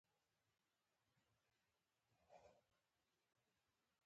د مراجعینو د خوښۍ لپاره نوي خدمات وړاندې کیږي.